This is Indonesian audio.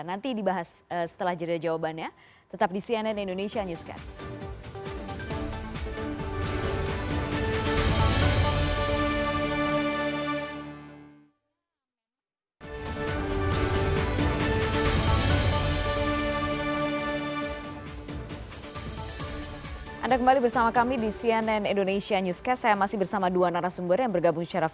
nanti dibahas setelah jadinya jawabannya